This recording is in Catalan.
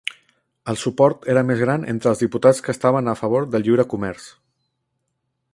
El suport era més gran entre els diputats que estaven a favor del lliure comerç.